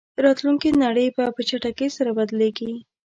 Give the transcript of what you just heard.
راتلونکې نړۍ به په چټکۍ سره بدلېږي.